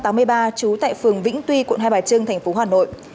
trú tại phường vĩnh tuy quận hai bà trưng thành phố hà nội